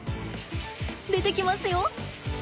出てきますよ。